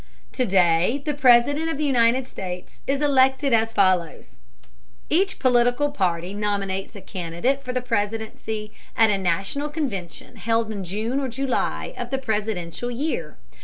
To day the President of the United States is elected as follows: Each political party nominates a candidate for the presidency at a national convention held in June or July of the presidential year.